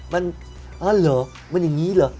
มันอ๋อเหรอมันอย่างนี้เหรอ